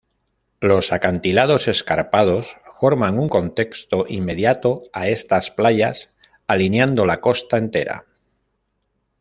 Los acantilados escarpados forman un contexto inmediato a estas playas, alineando la costa entera.